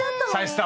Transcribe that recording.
はい。